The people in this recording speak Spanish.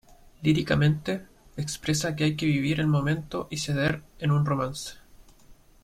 Líricamente, expresa que hay que vivir el momento y ceder en un romance.